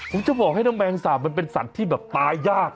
ผมจะบอกให้น้องแมงสาบมันเป็นสัตว์ที่แบบตายยาก